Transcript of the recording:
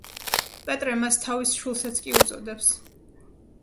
პეტრე მას თავის შვილსაც კი უწოდებს.